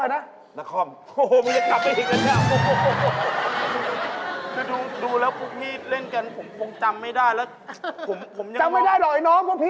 เฮ้ยโดยท่ะนัคร่อมดาราช่องแล้วนะโอ้โฮนัคร่อม